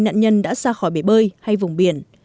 vì nạn nhân đã xa khỏi bể bơi hay vùng biển